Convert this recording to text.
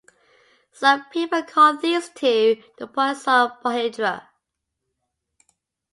Some people call these two the Poinsot polyhedra.